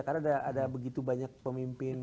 karena ada begitu banyak pemimpin